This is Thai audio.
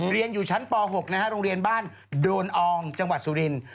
เรียนอยู่ชั้นป๖นะฮะโรงเรียนบ้านโดนอองจังหวัดสุรินทร์